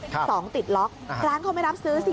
สองติดล็อกร้านเขาไม่รับซื้อสิ